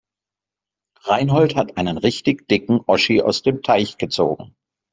Reinhold hat einen richtig dicken Oschi aus dem Teich gezogen.